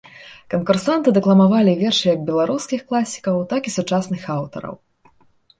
Канкурсанты дэкламавалі вершы як беларускіх класікаў, так і сучасных аўтараў.